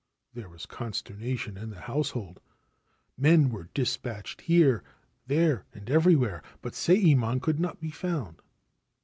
There was consternation in the household. Men were dispatched here, there, and everywhere ; but Sayemon could not be found.